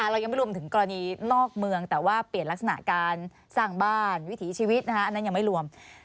เรายังไม่รวมถึงกรณีนอกเมืองแต่ว่าเปลี่ยนลักษณะการสร้างบ้านวิถีชีวิตอันนั้นยังไม่รวม